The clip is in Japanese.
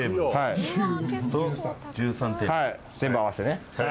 全部合わせてね。